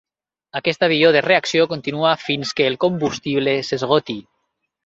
Aquest avió de reacció continua fins que el combustible s'esgoti.